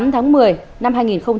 tháng một mươi năm hai nghìn một mươi bốn